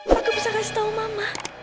miko bisa kasih tau mama